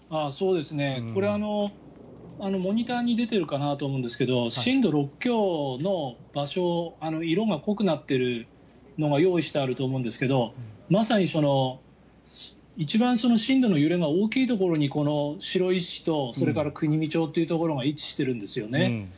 これ、モニターに出ているかなと思うんですけど震度６強の場所色が濃くなっているのが用意してあると思うんですけどまさに一番震度の揺れが大きいところにこの白石市とそれから国見町というところが位置しているんですよね。